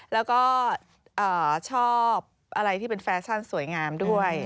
แล้วก็ชอบอะไรที่เป็นแฟชั่นสวยงามด้วย